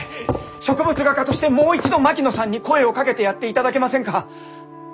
植物画家としてもう一度槙野さんに声をかけてやっていただけませんか？